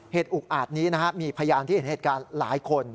อุกอาจนี้นะครับมีพยานที่เห็นเหตุการณ์หลายคน